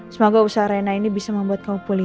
semoga usaha rena ini bisa membuat kamu pulih ya